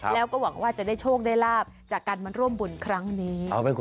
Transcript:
แล้วก็หวังว่าจะได้โชคได้ลาบจากการมาร่วมบุญครั้งนี้